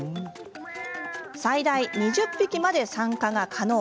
最大２０匹まで参加が可能。